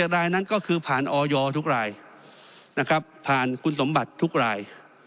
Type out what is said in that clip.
รายนั้นก็คือผ่านออยทุกรายนะครับผ่านคุณสมบัติทุกราย